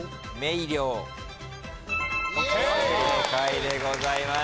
正解でございます。